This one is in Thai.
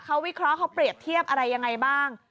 เขาวิเคราะห์เขาเปรียบเทียบอะไรยังไงบ้าง